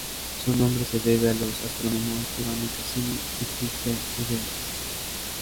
Su nombre se debe a los astrónomos Giovanni Cassini y Christiaan Huygens.